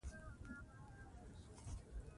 باران د افغانانو د معیشت سرچینه ده.